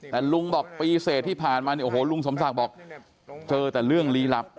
แต่ลุงบอกปีเสร็จที่ผ่านมาเนี่ยโอ้โหลุงสมศักดิ์บอกเจอแต่เรื่องลี้ลับ